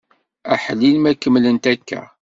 Aḥlil ma kemmlent akka!